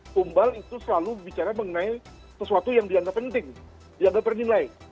tumbal itu selalu bicara mengenai sesuatu yang dianggap penting dianggap bernilai